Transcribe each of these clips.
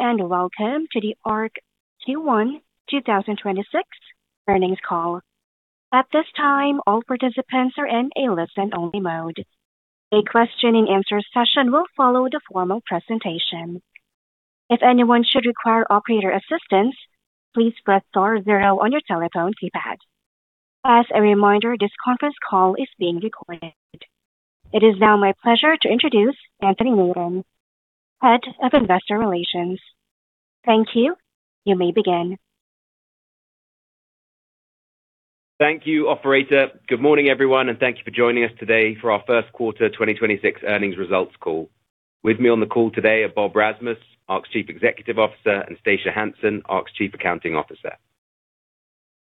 Thanks, and welcome to the Arq Q1 2026 earnings call. It is now my pleasure to introduce Anthony Nathan, Head of Investor Relations. Thank you. You may begin. Thank you, operator. Good morning, everyone, and thank you for joining us today for our first quarter 2026 earnings results call. With me on the call today are Bob Rasmus, Arq's Chief Executive Officer, and Stacia Hansen, Arq's Chief Accounting Officer.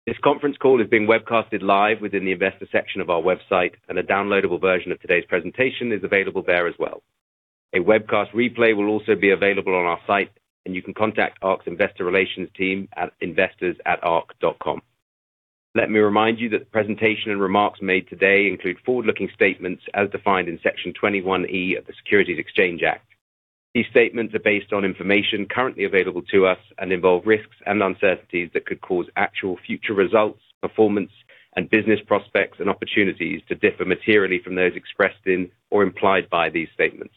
This conference call is being webcasted live within the investor section of our website, and a downloadable version of today's presentation is available there as well. A webcast replay will also be available on our site, and you can contact Arq's investor relations team at investors@arq.com. Let me remind you that the presentation and remarks made today include forward-looking statements as defined in Section 21E of the Securities Exchange Act of 1934. These statements are based on information currently available to us and involve risks and uncertainties that could cause actual future results, performance, and business prospects and opportunities to differ materially from those expressed in or implied by these statements.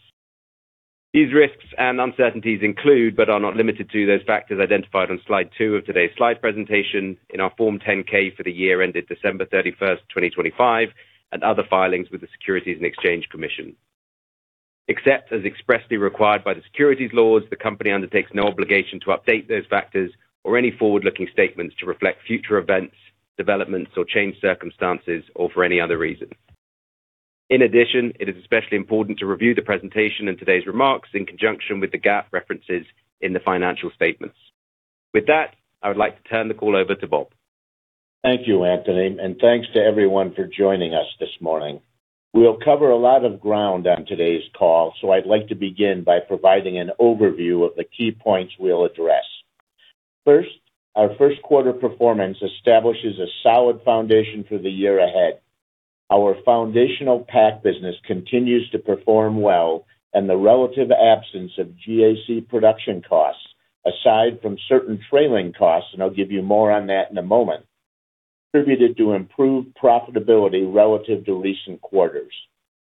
These risks and uncertainties include, but are not limited to, those factors identified on slide 2 of today's slide presentation in our Form 10-K for the year ended December 31, 2025, and other filings with the Securities and Exchange Commission. Except as expressly required by the securities laws, the company undertakes no obligation to update those factors or any forward-looking statements to reflect future events, developments or changed circumstances or for any other reason. It is especially important to review the presentation in today's remarks in conjunction with the GAAP references in the financial statements. With that, I would like to turn the call over to Bob. Thank you, Anthony, and thanks to everyone for joining us this morning. We'll cover a lot of ground on today's call, so I'd like to begin by providing an overview of the key points we'll address. First, our first quarter performance establishes a solid foundation for the year ahead. Our foundational PAC business continues to perform well, and the relative absence of GAC production costs, aside from certain trailing costs, and I'll give you more on that in a moment, contributed to improved profitability relative to recent quarters.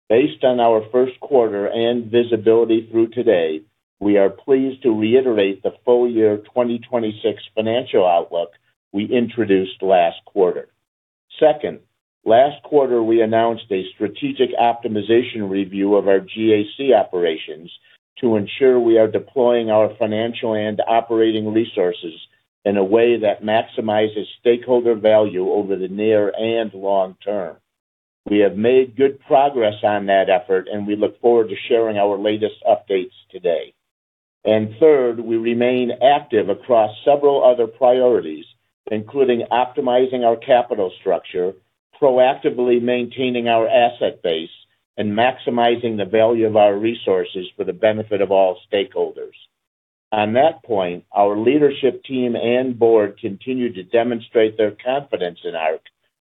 Based on our first quarter and visibility through today, we are pleased to reiterate the full year 2026 financial outlook we introduced last quarter. Second, last quarter we announced a strategic optimization review of our GAC operations to ensure we are deploying our financial and operating resources in a way that maximizes stakeholder value over the near and long term. We have made good progress on that effort, and we look forward to sharing our latest updates today. Third, we remain active across several other priorities, including optimizing our capital structure, proactively maintaining our asset base, and maximizing the value of our resources for the benefit of all stakeholders. On that point, our leadership team and board continue to demonstrate their confidence in Arq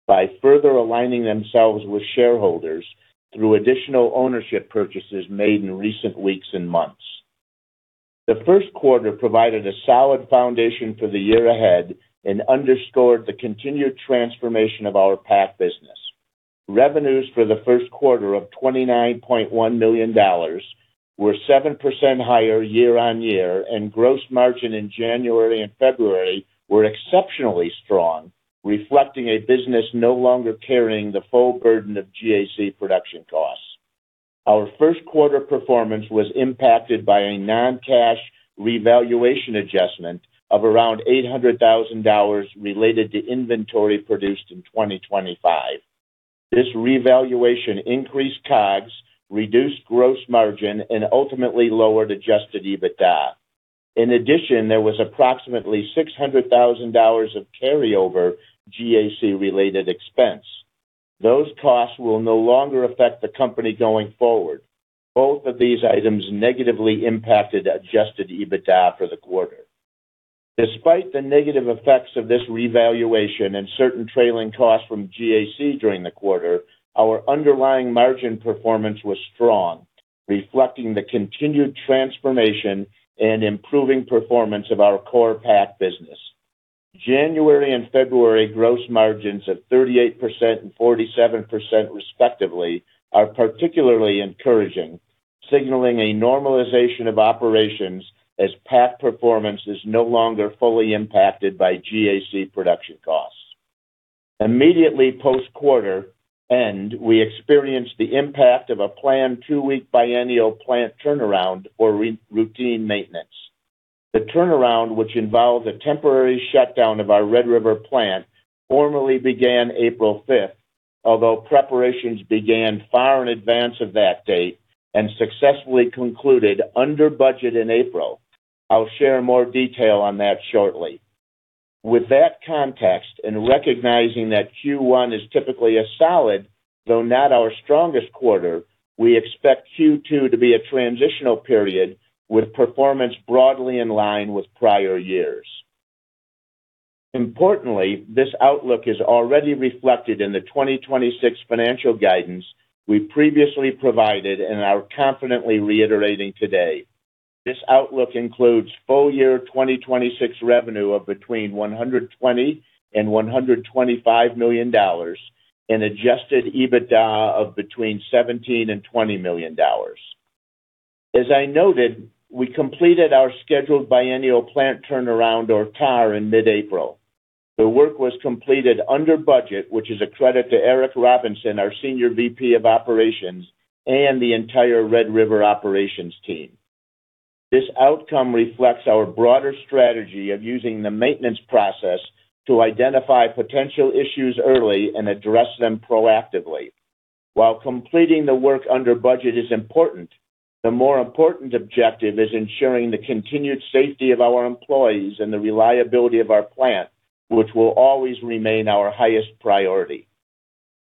by further aligning themselves with shareholders through additional ownership purchases made in recent weeks and months. The first quarter provided a solid foundation for the year ahead and underscored the continued transformation of our PAC business. Revenues for the first quarter of $29.1 million were 7% higher year-on-year, and gross margin in January and February were exceptionally strong, reflecting a business no longer carrying the full burden of GAC production costs. Our first quarter performance was impacted by a non-cash revaluation adjustment of around $800,000 related to inventory produced in 2025. This revaluation increased COGS, reduced gross margin, and ultimately lowered adjusted EBITDA. In addition, there was approximately $600,000 of carryover GAC related expense. Those costs will no longer affect the company going forward. Both of these items negatively impacted adjusted EBITDA for the quarter. Despite the negative effects of this revaluation and certain trailing costs from GAC during the quarter, our underlying margin performance was strong, reflecting the continued transformation and improving performance of our core PAC business. January and February gross margins of 38% and 47% respectively are particularly encouraging, signaling a normalization of operations as PAC performance is no longer fully impacted by GAC production costs. Immediately post quarter end, we experienced the impact of a planned 2-week biennial plant turnaround for routine maintenance. The turnaround, which involved a temporary shutdown of our Red River plant, formally began April 5th, although preparations began far in advance of that date and successfully concluded under budget in April. I'll share more detail on that shortly. With that context, and recognizing that Q1 is typically a solid, though not our strongest quarter, we expect Q2 to be a transitional period with performance broadly in line with prior years. Importantly, this outlook is already reflected in the 2026 financial guidance we previously provided and are confidently reiterating today. This outlook includes full year 2026 revenue of between $120 million and $125 million and adjusted EBITDA of between $17 million and $20 million. As I noted, we completed our scheduled biennial plant turnaround or TAR in mid-April. The work was completed under budget, which is a credit to Eric Robinson, our Senior VP of Operations and the entire Red River operations team. This outcome reflects our broader strategy of using the maintenance process to identify potential issues early and address them proactively. While completing the work under budget is important, the more important objective is ensuring the continued safety of our employees and the reliability of our plant, which will always remain our highest priority.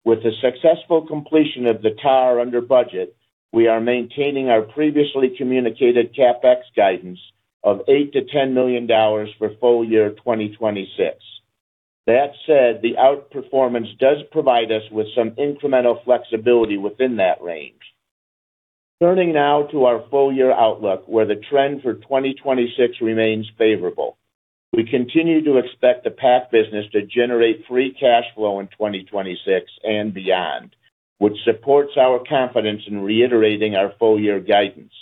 With the successful completion of the TAR under budget, we are maintaining our previously communicated CapEx guidance of $8 million-$10 million for full year 2026. That said, the outperformance does provide us with some incremental flexibility within that range. Turning now to our full year outlook, where the trend for 2026 remains favorable. We continue to expect the PAC business to generate free cash flow in 2026 and beyond, which supports our confidence in reiterating our full year guidance.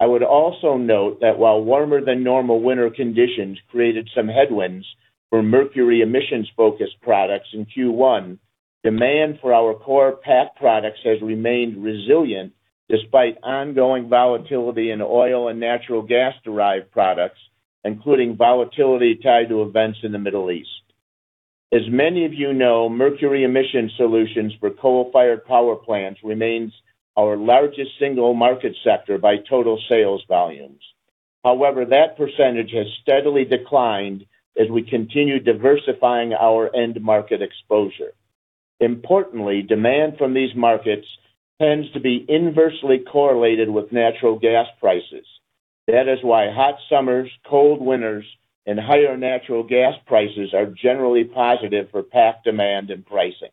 I would also note that while warmer than normal winter conditions created some headwinds for mercury emissions-focused products in Q1, demand for our core PAC products has remained resilient despite ongoing volatility in oil and natural gas-derived products, including volatility tied to events in the Middle East. As many of you know, mercury emission solutions for coal-fired power plants remains our largest single market sector by total sales volumes. That percentage has steadily declined as we continue diversifying our end market exposure. Importantly, demand from these markets tends to be inversely correlated with natural gas prices. That is why hot summers, cold winters, and higher natural gas prices are generally positive for PAC demand and pricing.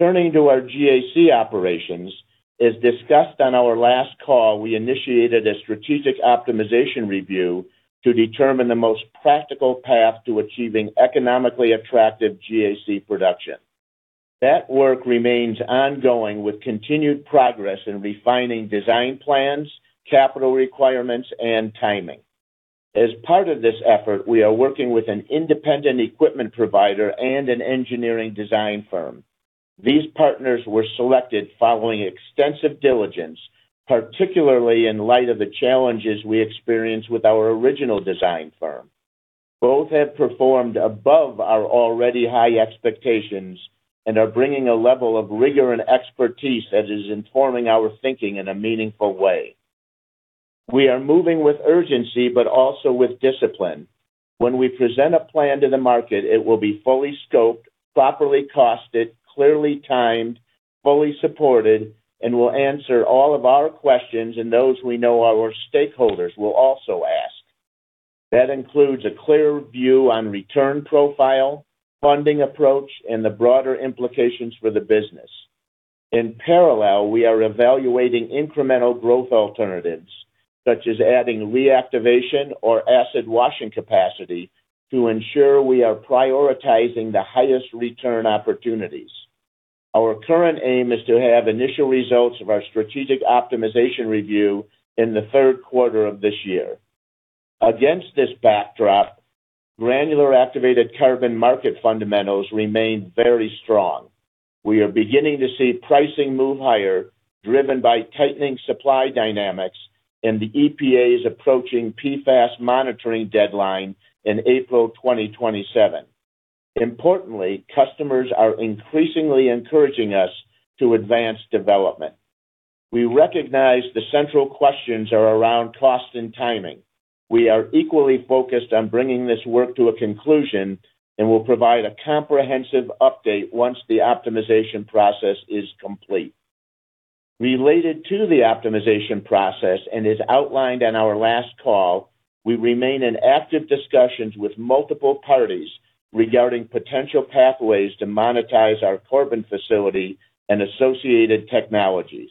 Turning to our GAC operations. As discussed on our last call, we initiated a strategic optimization review to determine the most practical path to achieving economically attractive GAC production. That work remains ongoing with continued progress in refining design plans, capital requirements, and timing. As part of this effort, we are working with an independent equipment provider and an engineering design firm. These partners were selected following extensive diligence, particularly in light of the challenges we experienced with our original design firm. Both have performed above our already high expectations and are bringing a level of rigor and expertise that is informing our thinking in a meaningful way. We are moving with urgency, also with discipline. When we present a plan to the market, it will be fully scoped, properly costed, clearly timed, fully supported, and will answer all of our questions and those we know our stakeholders will also ask. That includes a clear view on return profile, funding approach, and the broader implications for the business. In parallel, we are evaluating incremental growth alternatives, such as adding reactivation or acid washing capacity to ensure we are prioritizing the highest return opportunities. Our current aim is to have initial results of our strategic optimization review in the third quarter of this year. Against this backdrop, Granular Activated Carbon market fundamentals remain very strong. We are beginning to see pricing move higher, driven by tightening supply dynamics and the EPA's approaching PFAS monitoring deadline in April 2027. Importantly, customers are increasingly encouraging us to advance development. We recognize the central questions are around cost and timing. We are equally focused on bringing this work to a conclusion and will provide a comprehensive update once the optimization process is complete. Related to the optimization process and as outlined on our last call, we remain in active discussions with multiple parties regarding potential pathways to monetize our carbon facility and associated technologies.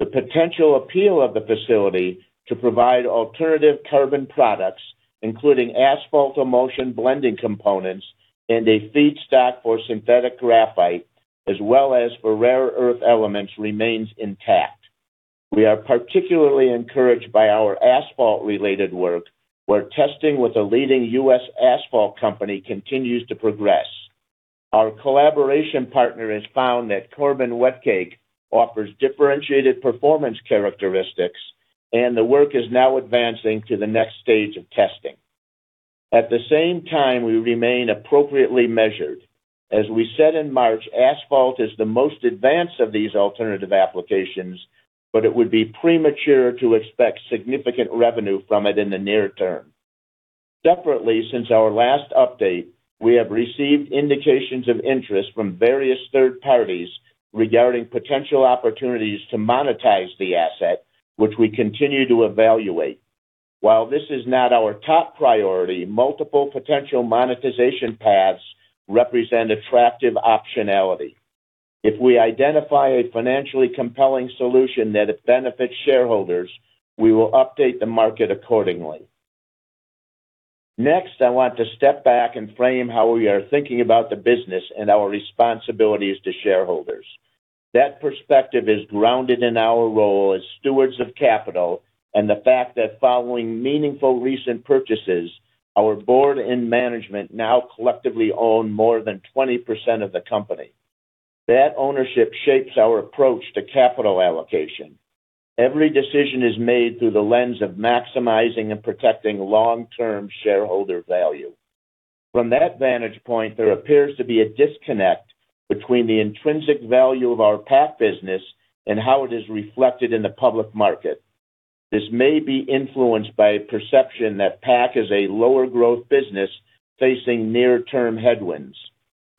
The potential appeal of the facility to provide alternative carbon products, including asphalt emulsion blending components and a feedstock for synthetic graphite, as well as for rare earth elements, remains intact. We are particularly encouraged by our asphalt-related work, where testing with a leading U.S. asphalt company continues to progress. Our collaboration partner has found that Corbin wet cake offers differentiated performance characteristics, and the work is now advancing to the next stage of testing. At the same time, we remain appropriately measured. As we said in March, asphalt is the most advanced of these alternative applications, but it would be premature to expect significant revenue from it in the near term. Separately, since our last update, we have received indications of interest from various third parties regarding potential opportunities to monetize the asset, which we continue to evaluate. While this is not our top priority, multiple potential monetization paths represent attractive optionality. If we identify a financially compelling solution that benefits shareholders, we will update the market accordingly. I want to step back and frame how we are thinking about the business and our responsibilities to shareholders. That perspective is grounded in our role as stewards of capital and the fact that following meaningful recent purchases, our board and management now collectively own more than 20% of the company. That ownership shapes our approach to capital allocation. Every decision is made through the lens of maximizing and protecting long-term shareholder value. From that vantage point, there appears to be a disconnect between the intrinsic value of our PAC business and how it is reflected in the public market. This may be influenced by a perception that PAC is a lower growth business facing near-term headwinds.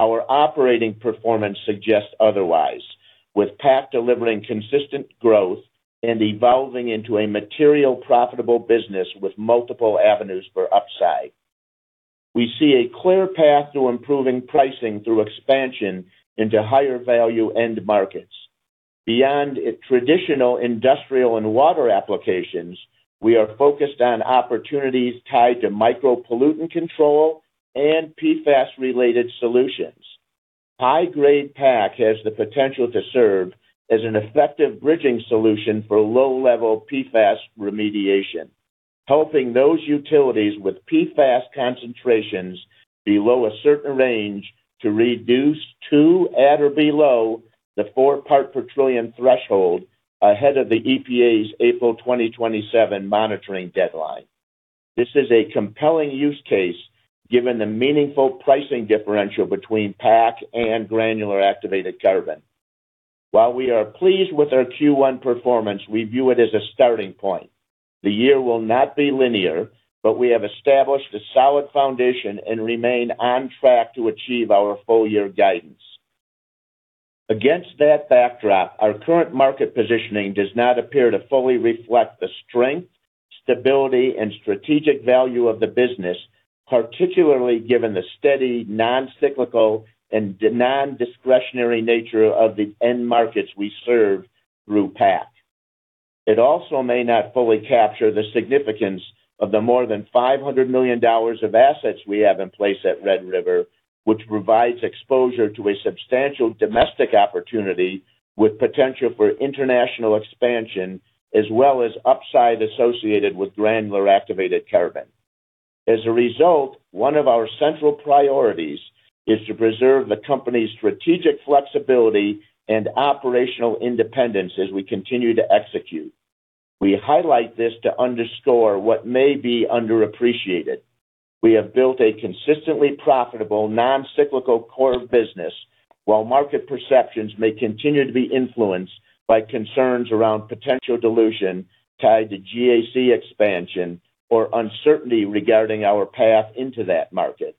Our operating performance suggests otherwise, with PAC delivering consistent growth and evolving into a material profitable business with multiple avenues for upside. We see a clear path to improving pricing through expansion into higher value end markets. Beyond traditional industrial and water applications, we are focused on opportunities tied to micropollutant control and PFAS-related solutions. High-grade PAC has the potential to serve as an effective bridging solution for low-level PFAS remediation, helping those utilities with PFAS concentrations below a certain range to reduce to at or below the 4 part per trillion threshold ahead of the EPA's April 2027 monitoring deadline. This is a compelling use case given the meaningful pricing differential between PAC and Granular Activated Carbon. While we are pleased with our Q1 performance, we view it as a starting point. The year will not be linear, but we have established a solid foundation and remain on track to achieve our full year guidance. Against that backdrop, our current market positioning does not appear to fully reflect the strength, stability, and strategic value of the business, particularly given the steady, non-cyclical, and non-discretionary nature of the end markets we serve through PAC. It also may not fully capture the significance of the more than $500 million of assets we have in place at Red River, which provides exposure to a substantial domestic opportunity with potential for international expansion as well as upside associated with Granular Activated Carbon. As a result, one of our central priorities is to preserve the company's strategic flexibility and operational independence as we continue to execute. We highlight this to underscore what may be underappreciated. We have built a consistently profitable, non-cyclical core business, while market perceptions may continue to be influenced by concerns around potential dilution tied to GAC expansion or uncertainty regarding our path into that market.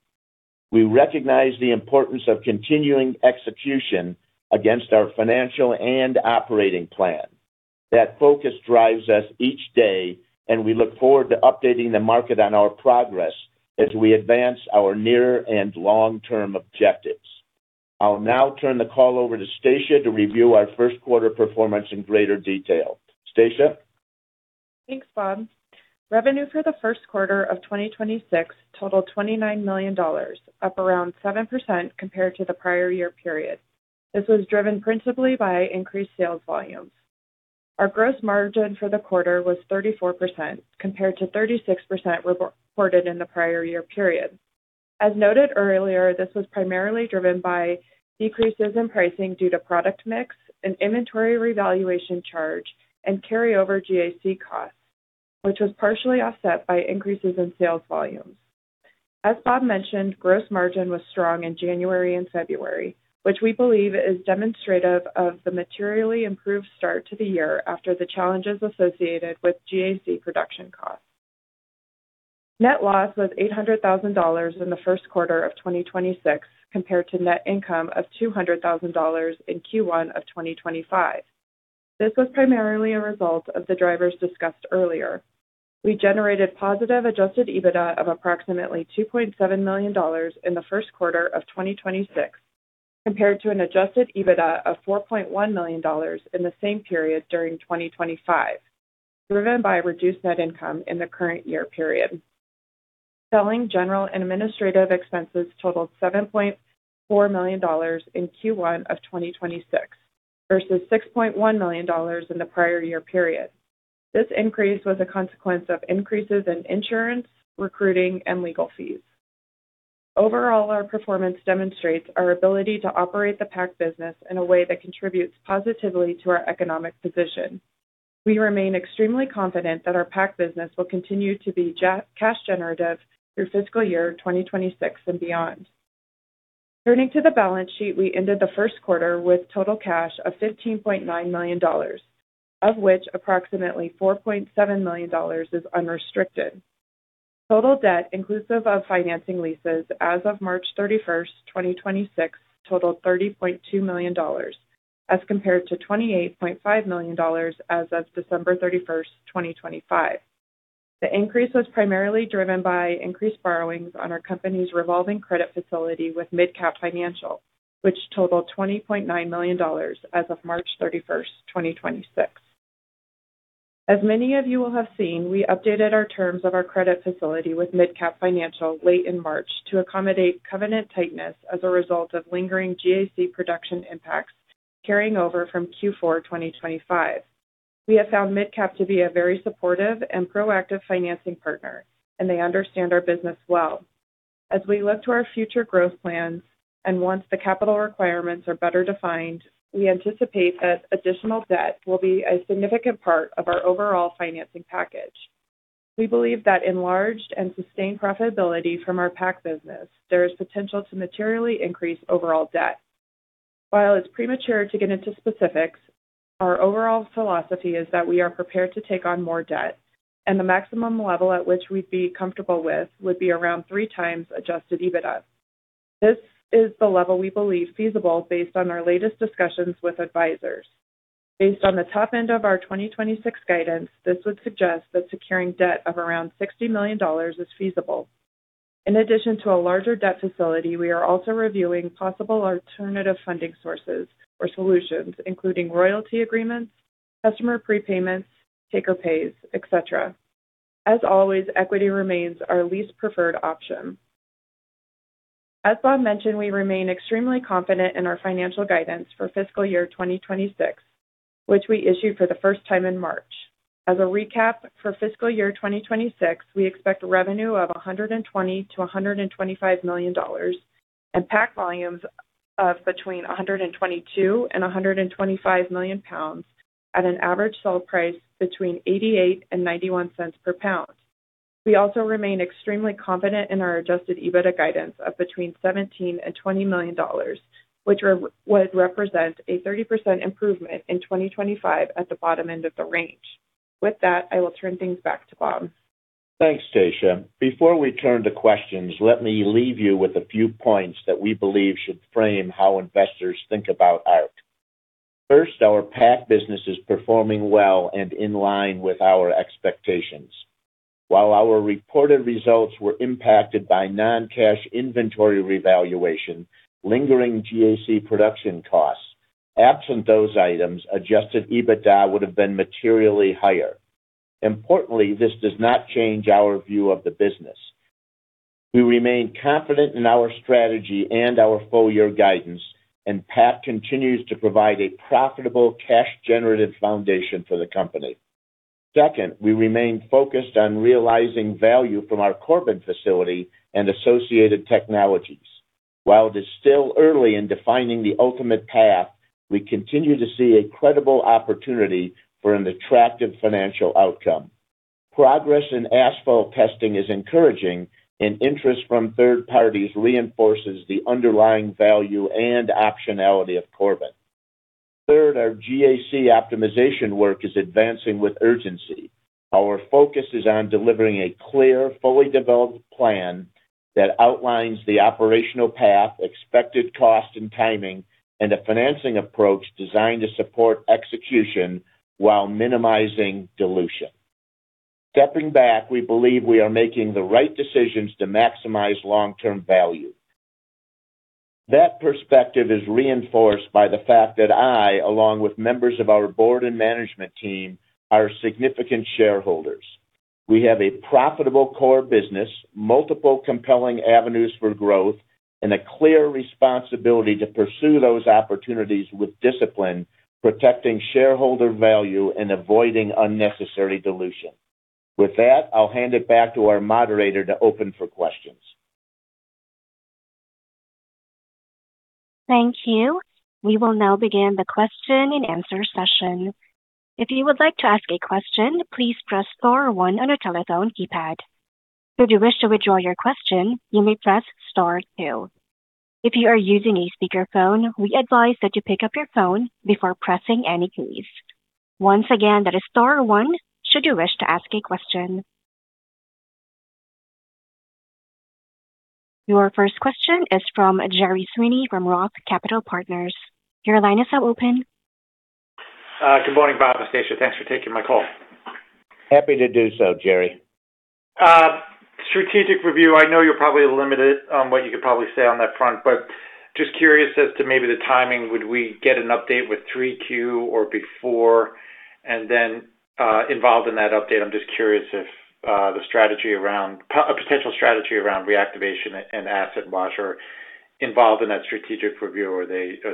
We recognize the importance of continuing execution against our financial and operating plan. That focus drives us each day, and we look forward to updating the market on our progress as we advance our near and long-term objectives. I'll now turn the call over to Stacia to review our first quarter performance in greater detail. Stacia? Thanks, Bob. Revenue for the first quarter of 2026 totaled $29 million, up around 7% compared to the prior year period. This was driven principally by increased sales volumes. Our gross margin for the quarter was 34% compared to 36% reported in the prior year period. As noted earlier, this was primarily driven by decreases in pricing due to product mix, an inventory revaluation charge, and carryover GAC costs, which was partially offset by increases in sales volumes. As Bob mentioned, gross margin was strong in January and February, which we believe is demonstrative of the materially improved start to the year after the challenges associated with GAC production costs. Net loss was $800,000 in the first quarter of 2026 compared to net income of $200,000 in Q1 of 2025. This was primarily a result of the drivers discussed earlier. We generated positive adjusted EBITDA of approximately $2.7 million in the first quarter of 2026 compared to an adjusted EBITDA of $4.1 million in the same period during 2025, driven by reduced net income in the current year period. Selling, general, and administrative expenses totaled $7.4 million in Q1 of 2026 versus $6.1 million in the prior year period. This increase was a consequence of increases in insurance, recruiting, and legal fees. Overall, our performance demonstrates our ability to operate the PAC business in a way that contributes positively to our economic position. We remain extremely confident that our PAC business will continue to be cash generative through fiscal year 2026 and beyond. Turning to the balance sheet, we ended the first quarter with total cash of $15.9 million, of which approximately $4.7 million is unrestricted. Total debt inclusive of financing leases as of March 31, 2026 totaled $30.2 million as compared to $28.5 million as of December 31, 2025. The increase was primarily driven by increased borrowings on our company's revolving credit facility with MidCap Financial, which totaled $20.9 million as of March 31, 2026. As many of you will have seen, we updated our terms of our credit facility with MidCap Financial late in March to accommodate covenant tightness as a result of lingering GAC production impacts carrying over from Q4 2025. We have found MidCap to be a very supportive and proactive financing partner, and they understand our business well. As we look to our future growth plans and once the capital requirements are better defined, we anticipate that additional debt will be a significant part of our overall financing package. We believe that enlarged and sustained profitability from our PAC business, there is potential to materially increase overall debt. While it's premature to get into specifics, our overall philosophy is that we are prepared to take on more debt, and the maximum level at which we'd be comfortable with would be around 3 times adjusted EBITDA. This is the level we believe feasible based on our latest discussions with advisors. Based on the top end of our 2026 guidance, this would suggest that securing debt of around $60 million is feasible. In addition to a larger debt facility, we are also reviewing possible alternative funding sources or solutions, including royalty agreements, customer prepayments, take-or-pay, et cetera. As always, equity remains our least preferred option. As Bob mentioned, we remain extremely confident in our financial guidance for fiscal year 2026, which we issued for the first time in March. As a recap, for fiscal year 2026, we expect revenue of $120 million-$125 million and PAC volumes of between 122 million and 125 million pounds at an average sale price between $0.88 and $0.91 per pound. We also remain extremely confident in our adjusted EBITDA guidance of between $17 million and $20 million, which would represent a 30% improvement in 2025 at the bottom end of the range. With that, I will turn things back to Bob. Thanks, Stacia. Before we turn to questions, let me leave you with a few points that we believe should frame how investors think about Arq. First, our PAC business is performing well and in line with our expectations. While our reported results were impacted by non-cash inventory revaluation, lingering GAC production costs, absent those items, adjusted EBITDA would have been materially higher. Importantly, this does not change our view of the business. We remain confident in our strategy and our full-year guidance. PAC continues to provide a profitable cash generative foundation for the company. Second, we remain focused on realizing value from our Corbin facility and associated technologies. While it is still early in defining the ultimate path, we continue to see a credible opportunity for an attractive financial outcome. Progress in asphalt testing is encouraging. Interest from third parties reinforces the underlying value and optionality of Corbin. Third, our GAC optimization work is advancing with urgency. Our focus is on delivering a clear, fully developed plan that outlines the operational path, expected cost and timing, and a financing approach designed to support execution while minimizing dilution. Stepping back, we believe we are making the right decisions to maximize long-term value. That perspective is reinforced by the fact that I, along with members of our board and management team, are significant shareholders. We have a profitable core business, multiple compelling avenues for growth, and a clear responsibility to pursue those opportunities with discipline, protecting shareholder value and avoiding unnecessary dilution. With that, I'll hand it back to our moderator to open for questions. Thank you. Your first question is from Gerry Sweeney from ROTH Capital Partners. Your line is now open. Good morning, Bob and Stacia. Thanks for taking my call. Happy to do so, Gerry. Strategic review. I know you're probably limited on what you could probably say on that front, but just curious as to maybe the timing. Would we get an update with 3Q or before? Involved in that update, I'm just curious if the strategy around a potential strategy around reactivation and acid washing are involved in that strategic review, or are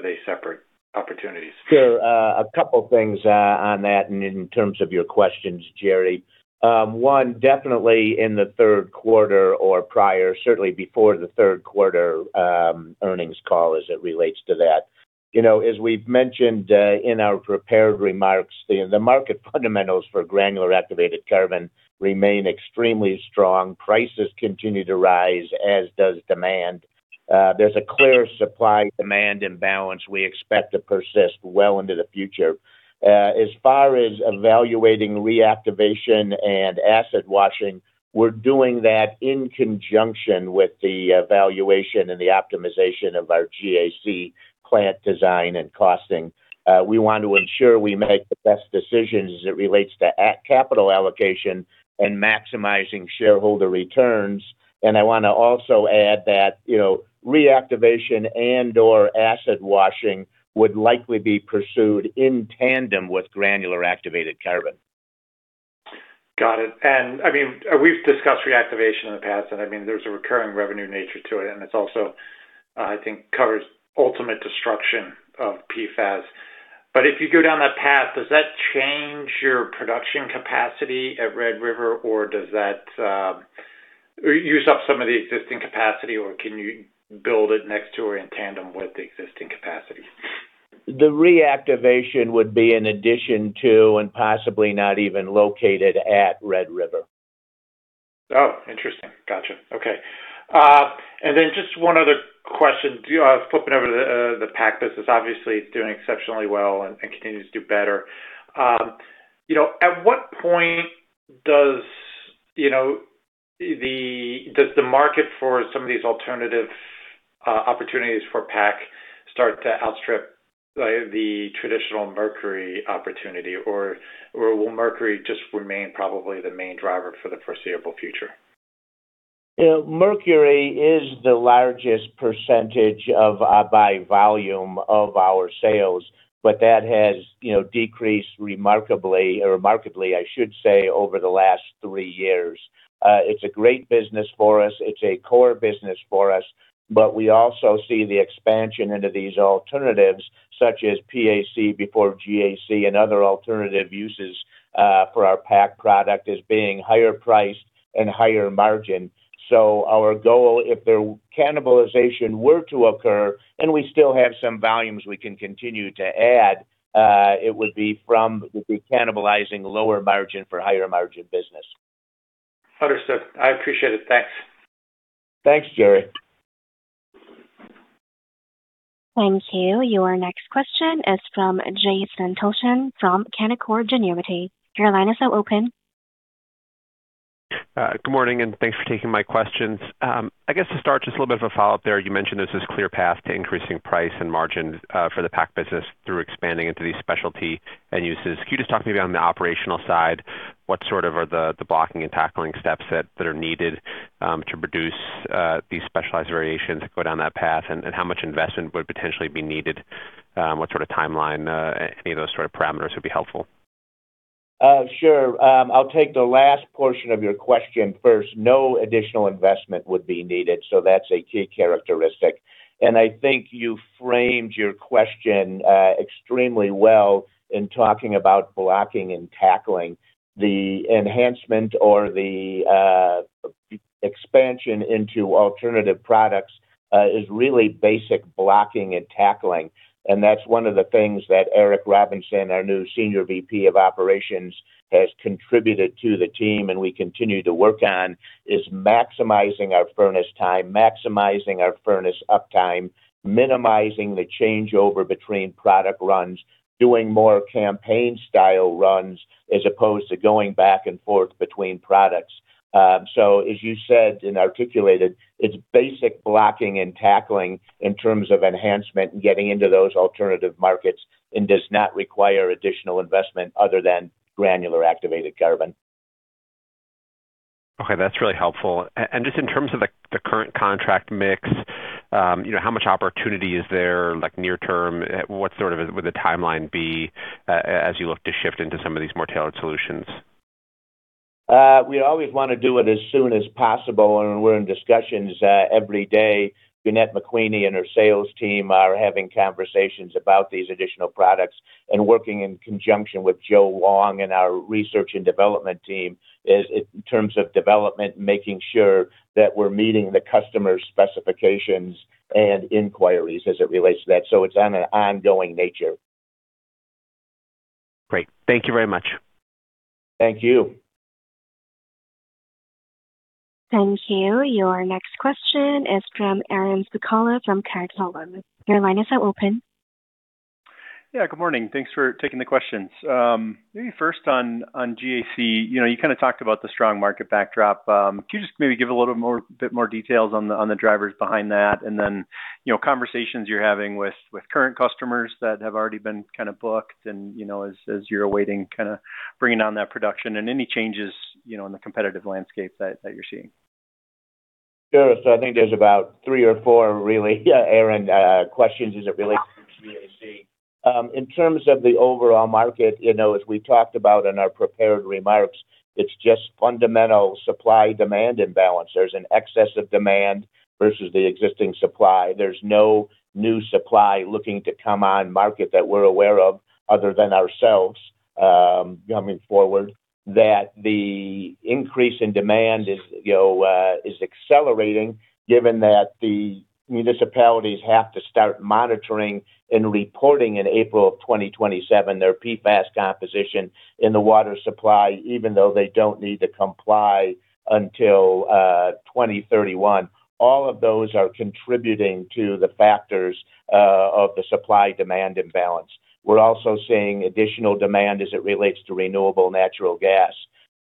they separate opportunities? Sure. A couple of things on that and in terms of your questions, Gerry. One, definitely in the third quarter or prior, certainly before the third quarter earnings call as it relates to that. You know, as we've mentioned in our prepared remarks, the market fundamentals for Granular Activated Carbon remain extremely strong. Prices continue to rise, as does demand. There's a clear supply-demand imbalance we expect to persist well into the future. As far as evaluating reactivation and acid washing, we're doing that in conjunction with the evaluation and the optimization of our GAC plant design and costing. We want to ensure we make the best decisions as it relates to capital allocation and maximizing shareholder returns. I wanna also add that, you know, reactivation and/or acid washing would likely be pursued in tandem with Granular Activated Carbon. Got it. I mean, we've discussed reactivation in the past, and I mean, there's a recurring revenue nature to it, and it's also, I think covers ultimate destruction of PFAS. If you go down that path, does that change your production capacity at Red River, or does that reuse up some of the existing capacity, or can you build it next door in tandem with the existing capacity? The reactivation would be in addition to and possibly not even located at Red River. Oh, interesting. Gotcha. Okay. Then just one other question. Flipping over the PAC business, obviously it's doing exceptionally well and continues to do better. At what point does the market for some of these alternative opportunities for PAC start to outstrip the traditional mercury opportunity? Will mercury just remain probably the main driver for the foreseeable future? You know, mercury is the largest percentage of, by volume of our sales, but that has, you know, decreased remarkably, or remarkably, I should say, over the last three years. It's a great business for us. It's a core business for us, but we also see the expansion into these alternatives, such as PAC before GAC and other alternative uses, for our PAC product as being higher priced and higher margin. Our goal, if the cannibalization were to occur and we still have some volumes we can continue to add, it would be cannibalizing lower margin for higher margin business. Understood. I appreciate it. Thanks. Thanks, Gerry. Thank you. Your next question is from Jason Tilchen from Canaccord Genuity. Your line is now open. Good morning, thanks for taking my questions. I guess to start, just a little bit of a follow-up there. You mentioned there's this clear path to increasing price and margin for the PAC business through expanding into these specialty end uses. Can you just talk to me on the operational side, what sort of are the blocking and tackling steps that are needed to produce these specialized variations to go down that path, and how much investment would potentially be needed? What sort of timeline, any of those sort of parameters would be helpful. Sure. I'll take the last portion of your question first. No additional investment would be needed, so that's a key characteristic. I think you framed your question extremely well in talking about blocking and tackling. The enhancement or the expansion into alternative products is really basic blocking and tackling. That's one of the things that Eric Robinson, our new senior VP of Operations, has contributed to the team and we continue to work on, is maximizing our furnace time, maximizing our furnace uptime, minimizing the changeover between product runs, doing more campaign style runs as opposed to going back and forth between products. So as you said and articulated, it's basic blocking and tackling in terms of enhancement and getting into those alternative markets and does not require additional investment other than Granular Activated Carbon. Okay, that's really helpful. Just in terms of the current contract mix, you know, how much opportunity is there, like near term? What sort of would the timeline be, as you look to shift into some of these more tailored solutions? We always wanna do it as soon as possible, and we're in discussions every day. Jeanette McQueeney and her sales team are having conversations about these additional products and working in conjunction with Joe Wong and our research and development team is in terms of development, making sure that we're meeting the customer's specifications and inquiries as it relates to that. It's on an ongoing nature. Great. Thank you very much. Thank you. Thank you. Your next question is from Aaron Spychalla from Craig-Hallum. Your line is now open. Yeah, good morning. Thanks for taking the questions. Maybe first on GAC, you know, you kinda talked about the strong market backdrop. Can you just maybe give a bit more details on the drivers behind that? Then, you know, conversations you're having with current customers that have already been kind of booked and, you know, as you're awaiting kinda bringing on that production and any changes, you know, in the competitive landscape that you're seeing. Sure. I think there's about 3 or 4 really, yeah, Aaron, questions as it relates to GAC. In terms of the overall market, you know, as we talked about in our prepared remarks, it's just fundamental supply-demand imbalance. There's an excess of demand versus the existing supply. There's no new supply looking to come on market that we're aware of other than ourselves, coming forward, that the increase in demand is, you know, is accelerating given that the municipalities have to start monitoring and reporting in April of 2027 their PFAS composition in the water supply, even though they don't need to comply until 2031. All of those are contributing to the factors of the supply-demand imbalance. We're also seeing additional demand as it relates to renewable natural gas.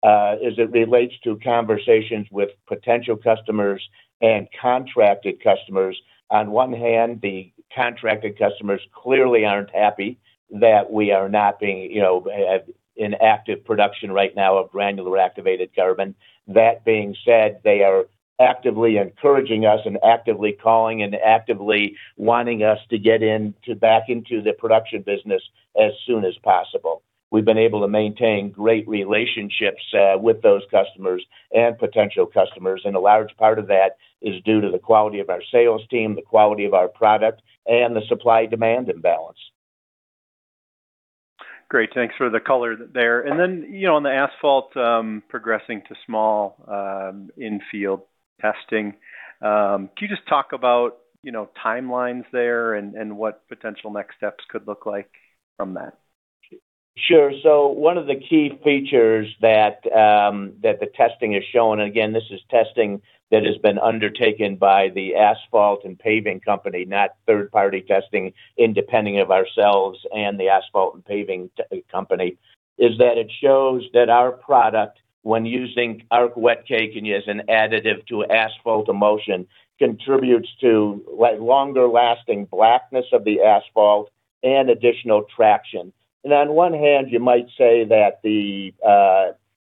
As it relates to conversations with potential customers and contracted customers, on one hand, the contracted customers clearly aren't happy that we are not being, you know, in active production right now of Granular Activated Carbon. That being said, they are actively encouraging us and actively calling and actively wanting us to get back into the production business as soon as possible. We've been able to maintain great relationships with those customers and potential customers, and a large part of that is due to the quality of our sales team, the quality of our product, and the supply-demand imbalance. Great. Thanks for the color there. You know, on the asphalt, progressing to small, in-field testing, could you just talk about, you know, timelines there and what potential next steps could look like from that? Sure. One of the key features that the testing has shown, again, this is testing that has been undertaken by the asphalt and paving company, not third-party testing independent of ourselves and the asphalt and paving company, is that it shows that our product, when using Arq Wetcake as an additive to asphalt emulsion, contributes to longer lasting blackness of the asphalt and additional traction. On one hand, you might say that the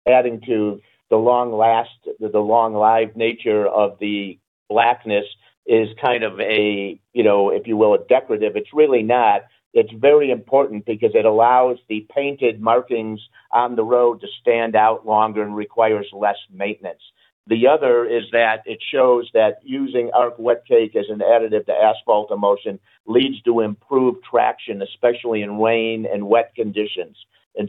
adding to the long live nature of the blackness is kind of a, you know, if you will, a decorative. It's really not. It's very important because it allows the painted markings on the road to stand out longer and requires less maintenance. The other is that it shows that using Arq Wetcake as an additive to asphalt emulsion leads to improved traction, especially in rain and wet conditions.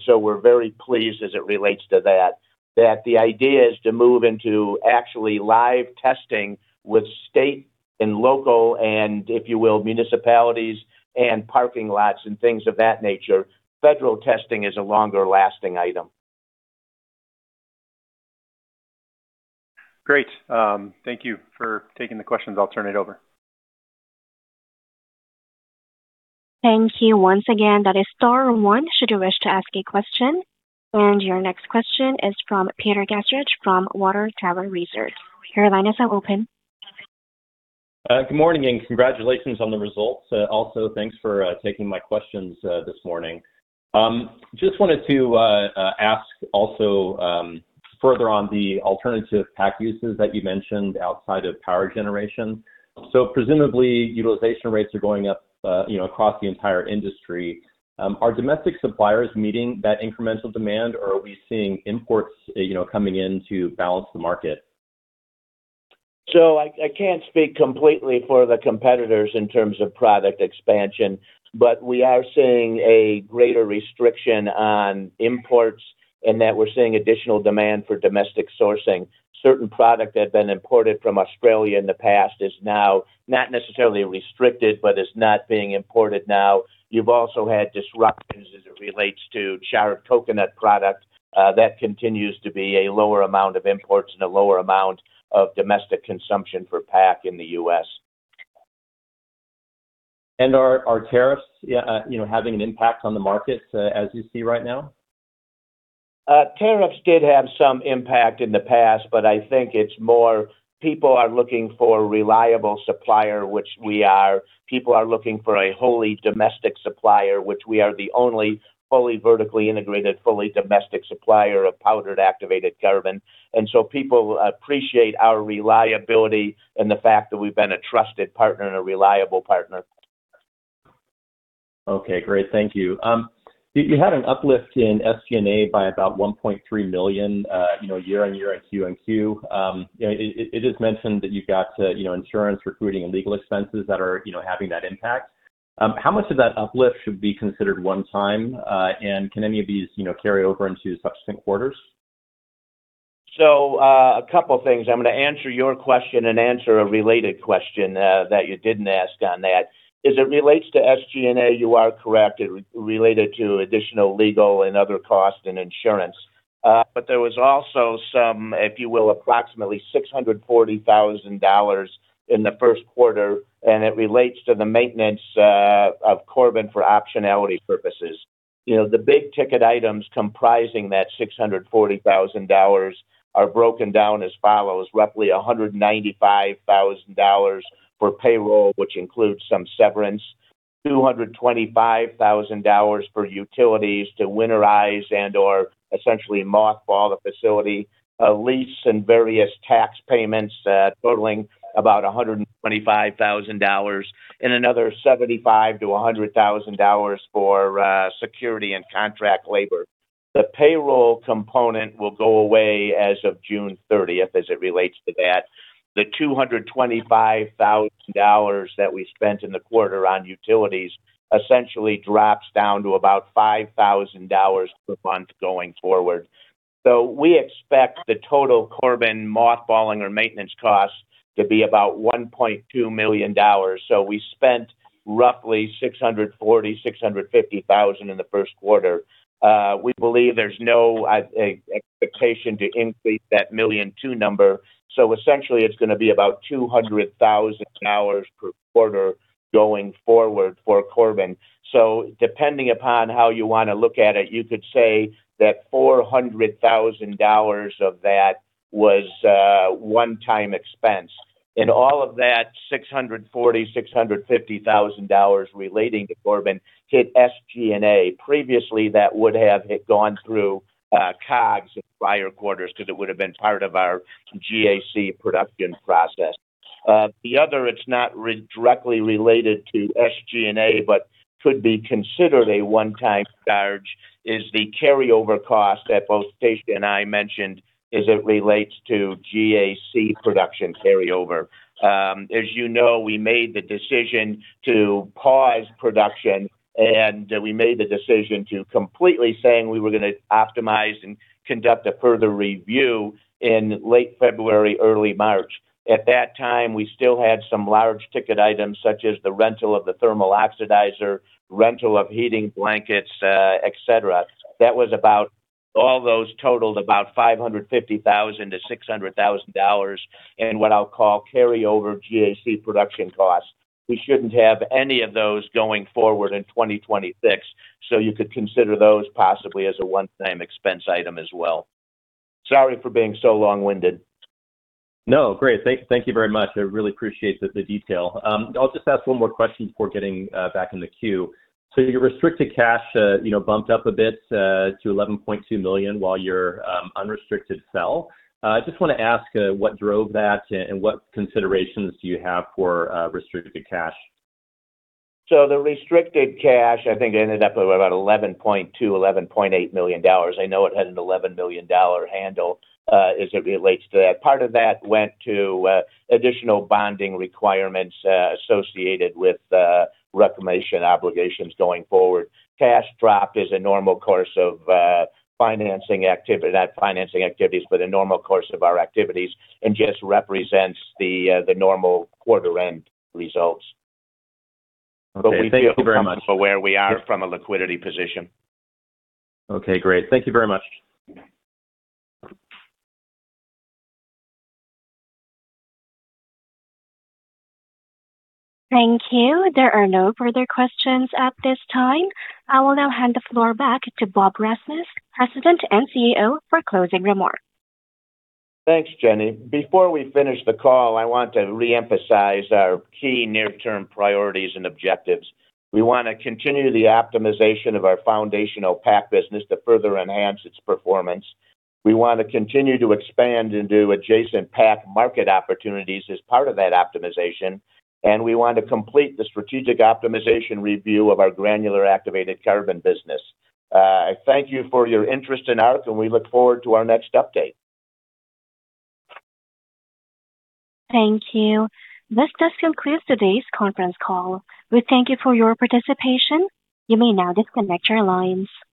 We're very pleased as it relates to that the idea is to move into actually live testing with state and local and, if you will, municipalities and parking lots and things of that nature. Federal testing is a longer lasting item. Great. Thank you for taking the questions. I'll turn it over. Thank you once again. That is star one should you wish to ask a question. Your next question is from Peter Gastreich from Water Tower Research. Your line is now open. Good morning, and congratulations on the results. Also, thanks for taking my questions this morning. Just wanted to ask also further on the alternative PAC uses that you mentioned outside of power generation. Presumably, utilization rates are going up, you know, across the entire industry. Are domestic suppliers meeting that incremental demand, or are we seeing imports, you know, coming in to balance the market? I can't speak completely for the competitors in terms of product expansion, but we are seeing a greater restriction on imports in that we're seeing additional demand for domestic sourcing. Certain product that had been imported from Australia in the past is now not necessarily restricted, but it's not being imported now. You've also had disruptions as it relates to charred coconut product. That continues to be a lower amount of imports and a lower amount of domestic consumption for PAC in the U.S. Are tariffs, you know, having an impact on the market, as you see right now? Tariffs did have some impact in the past. I think it's more people are looking for a reliable supplier, which we are. People are looking for a wholly domestic supplier, which we are the only fully vertically integrated, fully domestic supplier of Powdered Activated Carbon. People appreciate our reliability and the fact that we've been a trusted partner and a reliable partner. Okay. Great. Thank you. You had an uplift in SG&A by about $1.3 million, you know, year-over-year at [Q1, Q2]. You know, it is mentioned that you've got, you know, insurance, recruiting, and legal expenses that are, you know, having that impact. How much of that uplift should be considered one time? Can any of these, you know, carry over into subsequent quarters? A couple things. I'm gonna answer your question and answer a related question that you didn't ask on that. As it relates to SG&A, you are correct. It related to additional legal and other costs and insurance. There was also some, if you will, approximately $640,000 in the first quarter, and it relates to the maintenance of Corbin for optionality purposes. You know, the big-ticket items comprising that $640,000 are broken down as follows: roughly $195,000 for payroll, which includes some severance, $225,000 for utilities to winterize and/or essentially mothball the facility, lease and various tax payments, totaling about $125,000, and another $75,000-$100,000 for security and contract labor. The payroll component will go away as of June 30th as it relates to that. The $225,000 that we spent in the quarter on utilities essentially drops down to about $5,000 per month going forward. We expect the total Corbin mothballing or maintenance cost to be about $1.2 million. We spent roughly $640,000-$650,000 in the first quarter. We believe there's no expectation to increase that $1.2 million number. Essentially, it's gonna be about $200,000 per quarter going forward for Corbin. Depending upon how you wanna look at it, you could say that $400,000 of that was one-time expense. In all of that $640,000-$650,000 relating to Corbin hit SG&A. Previously, that would have gone through COGS in prior quarters because it would have been part of our GAC production process. The other, it's not directly related to SG&A, but could be considered a one-time charge, is the carryover cost that both Stacia and I mentioned as it relates to GAC production carryover. As you know, we made the decision to pause production, we made the decision to completely saying we were gonna optimize and conduct a further review in late February, early March. At that time, we still had some large ticket items such as the rental of the thermal oxidizer, rental of heating blankets, et cetera. All those totaled about $550,000-$600,000 in what I'll call carryover GAC production costs. We shouldn't have any of those going forward in 2026, so you could consider those possibly as a one-time expense item as well. Sorry for being so long-winded. No, great. Thank you very much. I really appreciate the detail. I'll just ask one more question before getting back in the queue. Your restricted cash bumped up a bit to $11.2 million, while your unrestricted fell. Just wanna ask what drove that and what considerations do you have for restricted cash? The restricted cash, I think it ended up at about $11.2 million-$11.8 million. I know it had an $11 million handle, as it relates to that. Part of that went to additional bonding requirements, associated with reclamation obligations going forward. Cash drop is a normal course of our activities and just represents the normal quarter-end results. Okay. Thank you very much. We feel comfortable where we are from a liquidity position. Okay, great. Thank you very much. Thank you. There are no further questions at this time. I will now hand the floor back to Bob Rasmus, President and CEO, for closing remarks. Thanks, Jenny. Before we finish the call, I want to reemphasize our key near-term priorities and objectives. We want to continue the optimization of our foundational PAC business to further enhance its performance. We want to continue to expand into adjacent PAC market opportunities as part of that optimization, and we want to complete the strategic optimization review of our Granular Activated Carbon business. I thank you for your interest in Arq, and we look forward to our next update. Thank you. This does conclude today's conference call. We thank you for your participation. You may now disconnect your lines.